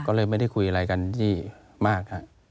ก็เลยไม่ได้คุยอะไรกันยี่มาก